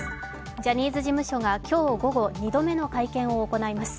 ジャニーズ事務所が今日午後２度目の会見を行います。